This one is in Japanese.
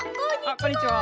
あっこんにちは。